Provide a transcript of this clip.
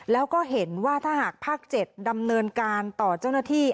แล้วก็เห็นว่าถ้าหากภาค๗ดำเนินการต่อเจ้าหน้าที่